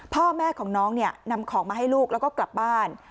พ่อแม่ของน้องเนี่ยนำของมาให้ลูกแล้วก็กลับบ้าน